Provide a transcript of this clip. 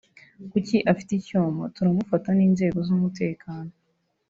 kuki afite icyuma turamufata n’inzego z’umutekano